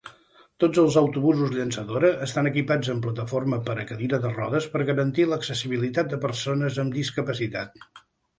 Tots els autobusos llançadora estan equipats amb plataforma per a cadira de rodes per garantir l'accessibilitat a persones amb discapacitat.